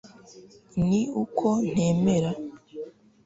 ni uko ntemera